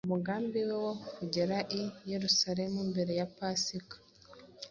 Umugambi we wo kugera i Yerusalemu mbere ya Pasika